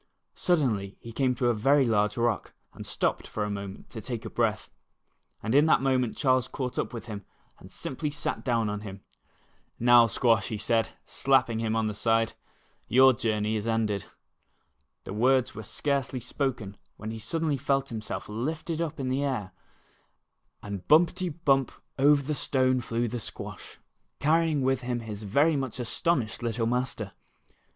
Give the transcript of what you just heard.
Suddenly he came to a very large rock, and stopped for a moment to take breath, and in that moment Charles caught up with him and simply sat down on him. " Now, squash," said he, slapping him on the side, " your journey is ended." The words were scarcely spoken when he suddenly felt himself lifted up in the air, and 6 A Quick Running Squash. bumpity. bump, over the stone flew the squash, carrying with him his ver\ much astonished Httle master